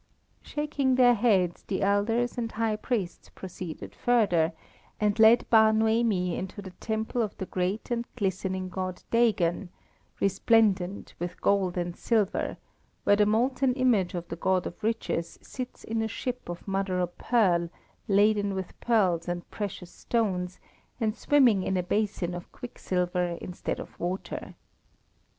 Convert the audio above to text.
Shaking their heads, the elders and high priests proceeded further, and led Bar Noemi into the temple of the great and glistening god Dagon, resplendent with gold and silver, where the molten image of the God of Riches sits in a ship of mother o' pearl, laden with pearls and precious stones, and swimming in a basin of quicksilver instead of water.